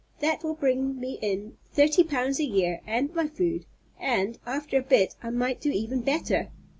That will bring me in thirty pounds a year and my food, and, after a bit, I might do even better.